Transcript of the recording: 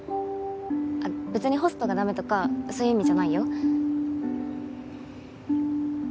あっべつにホストがだめとかそういう意味じゃないよ。